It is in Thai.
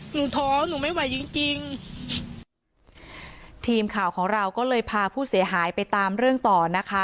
ท้องหนูไม่ไหวจริงจริงทีมข่าวของเราก็เลยพาผู้เสียหายไปตามเรื่องต่อนะคะ